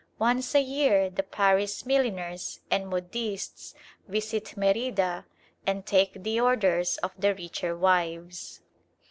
Once a year the Paris milliners and modistes visit Merida and take the orders of the richer wives.